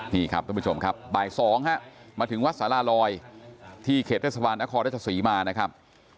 นี่ครับทุกผู้ชมครับบ่ายสองครับมาถึงวัดสารลอยที่เขตเทศภาณนครราชสุริมานะครับ